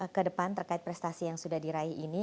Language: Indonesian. ke depan terkait prestasi yang sudah diraih ini